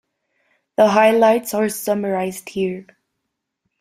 The highlights are summarized here.